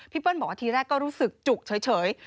เปิ้ลบอกว่าทีแรกก็รู้สึกจุกเฉย